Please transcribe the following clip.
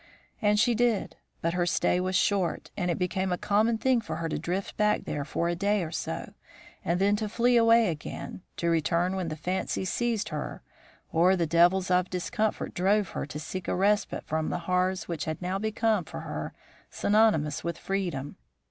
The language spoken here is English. "And she did; but her stay was short, and it became a common thing for her to drift back there for a day or so, and then to flee away again, to return when the fancy seized her or the devils of discomfort drove her to seek a respite from the horrors which had now become for her synonymous with freedom.